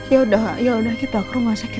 ya udah ya udah kita ke rumah sakit